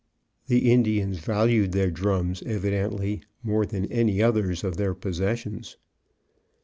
The Indians valued their drums, evidently, more than any other of their possessions.